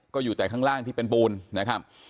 ก็อยู่แต่ข้างล่างที่เป็นปูนนะครับ